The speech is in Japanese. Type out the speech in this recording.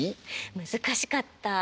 難しかった。